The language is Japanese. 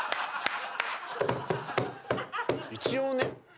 一応ね。